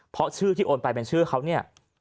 เพราะชื่อที่โอนไปเป็นชื่อเขาเนี่ย